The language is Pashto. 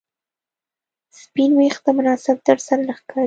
سپین ویښته مناسب درسره نه ښکاري